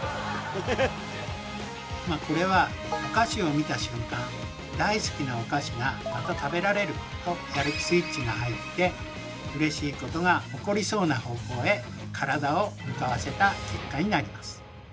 まあこれはお菓子を見た瞬間大好きなお菓子がまた食べられると「やる気スイッチ」が入ってうれしいことが起こりそうな方向へ体を向かわせた結果になります。